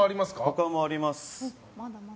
他もあります。